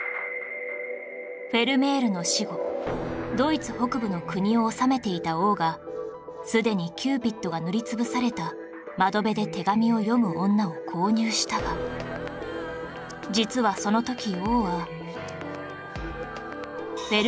フェルメールの死後ドイツ北部の国を治めていた王がすでにキューピッドが塗りつぶされた『窓辺で手紙を読む女』を購入したが実はその時王はしたといわれているのです